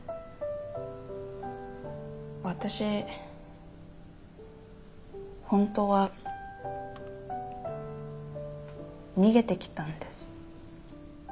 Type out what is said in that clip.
私本当は逃げてきたんです。